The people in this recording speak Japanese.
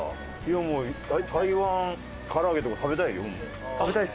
台湾から揚げとか食べたいよ。